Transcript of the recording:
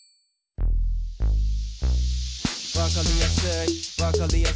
「わかりやすいわかりやすい」